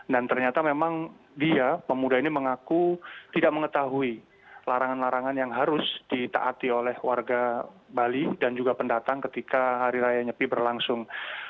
dan ternyata memang dia pemuda ini mengaku tidak mengetahui larangan larangan yang harus ditaati oleh warga bali dan juga pendatang ketika hari raya nyepi berlangsung